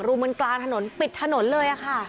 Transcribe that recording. มันกลางถนนปิดถนนเลยค่ะ